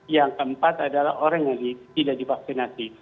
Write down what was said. yang keempat adalah orang yang tidak divaksinasi